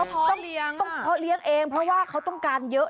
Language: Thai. เพราะเลี้ยงเองเพราะว่าเขาต้องการเยอะ